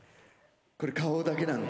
これ顔だけなんだ。